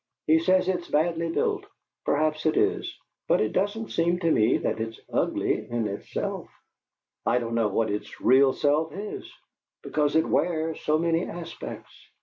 He says it's badly built; perhaps it is; but it doesn't seem to me that it's ugly in itself. I don't know what its real self is, because it wears so many aspects.